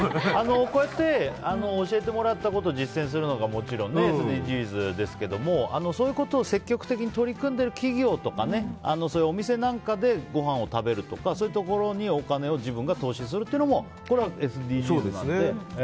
こうやって教えてもらったことを実践することがＳＤＧｓですけどもそういうことを積極的に取り組んでる企業とかお店なんかでご飯を食べるとかそういうところにお金を自分が投資するのもＳＤＧｓですよね。